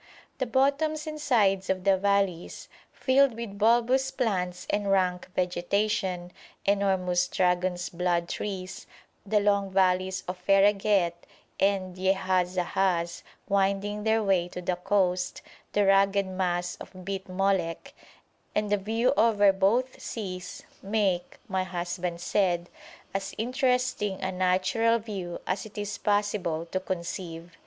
The bottoms and sides of the valleys, filled with bulbous plants and rank vegetation, enormous dragon's blood trees, the long valleys of Fereghet and Yehazahaz winding their way to the coast, the rugged mass of Bit Molek, and the view over both seas make, my husband said, as interesting a natural view as it is possible to conceive.